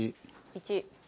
１。